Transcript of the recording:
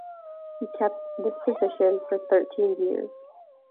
He kept this position for thirteen years.